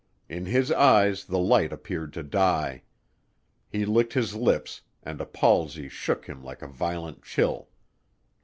In his eyes the light appeared to die. He licked his lips and a palsy shook him like a violent chill.